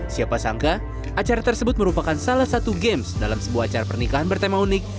siapa sangka acara tersebut merupakan salah satu games dalam sebuah acara pernikahan bertema unik